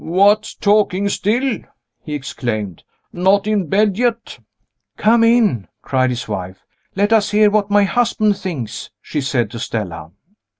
"What! talking still," he exclaimed. "Not in bed yet?" "Come in!" cried his wife. "Let us hear what my husband thinks," she said to Stella.